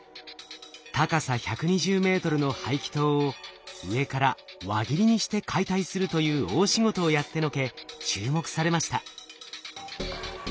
高さ１２０ｍの排気筒を上から輪切りにして解体するという大仕事をやってのけ注目されました。